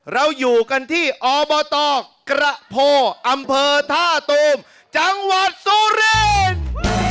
เราอยู่กันที่อบตกระโพอำเภอท่าตูมจังหวัดสุรินทร์